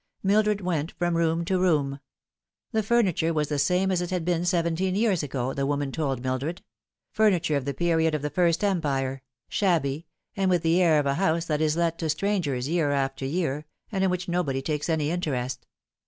Mildred went from room to room. The furniture was the same as it had been seventeen years ago, the woman told Mildred furniture of the period of the First Empire, shabby, and with the air of a house that is let to strangers year after year, and in which nobody takes any interest.